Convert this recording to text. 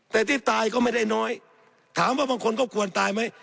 แต่ที่ตายก็ไม่ได้น้อยถามว่าบางคนก็ควรตายไหม